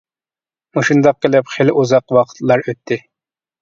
مۇشۇنداق قىلىپ خېلى ئۇزاق ۋاقىتلار ئۆتتى.